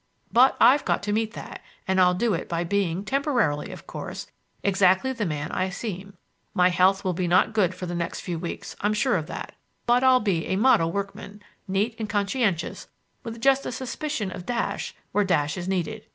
But I've got to meet that, and I'll do it by being, temporarily, of course, exactly the man I seem. My health will not be good for the next few weeks, I'm sure of that. But I'll be a model workman, neat and conscientious with just a suspicion of dash where dash is needed.